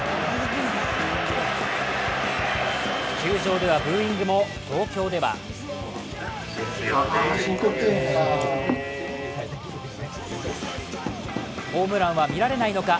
球場ではブーイングも東京ではホームランは見られないのか。